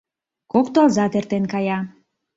Кок тылзат эртен кая.